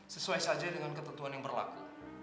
sesuai saja dengan ketentuan yang berlaku